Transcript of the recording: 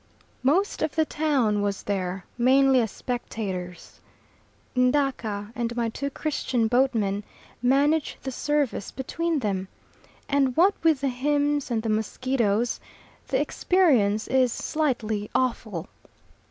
Most of the town was there, mainly as spectators. Ndaka and my two Christian boatmen manage the service between them, and what with the hymns and the mosquitoes the experience is slightly awful.